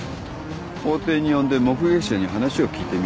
法廷に呼んで目撃者に話を聞いてみよう。